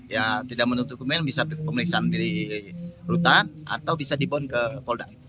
ya tidak menutup hukuman bisa pemeriksaan di lutan atau bisa di bon ke polda